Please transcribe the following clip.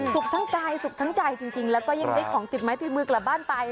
ทั้งกายสุขทั้งใจจริงแล้วก็ยังได้ของติดไม้ติดมือกลับบ้านไป